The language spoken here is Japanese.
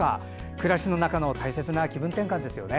暮らしの中の大切な気分転換ですよね。